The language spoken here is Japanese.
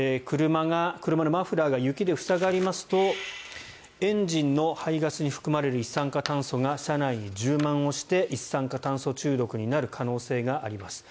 車のマフラーが雪で塞がりますとエンジンの排ガスに含まれる一酸化炭素が車内に充満して一酸化炭素中毒になる可能性があります。